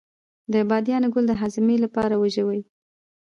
د بادیان ګل د هاضمې لپاره وژويئ